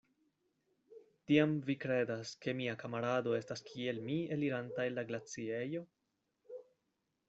Tiam vi kredas, ke mia kamarado estas kiel mi elirinta el la glaciejo?